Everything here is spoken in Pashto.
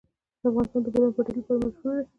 افغانستان د د بولان پټي لپاره مشهور دی.